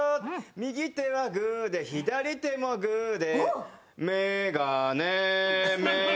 「右手はパーで左手もパーで」